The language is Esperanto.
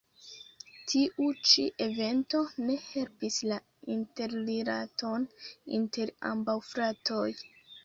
Tiu ĉi evento ne helpis la interrilaton inter ambaŭ fratoj.